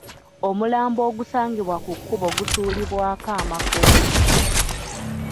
Omulambo ogusangibwa ku kkubo gusuulibwako amakoola.